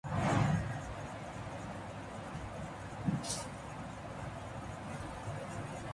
While at Yale he became a member of the secret society Skull and Bones.